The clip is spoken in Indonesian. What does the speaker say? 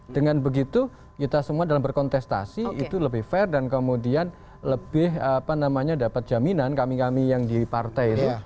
dengan begitu kita semua dalam berkontestasi itu lebih fair dan kemudian lebih apa namanya dapat jaminan kami kami yang di partai itu